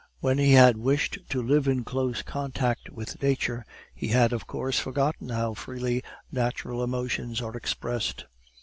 When he had wished to live in close contact with nature, he had of course forgotten how freely natural emotions are expressed.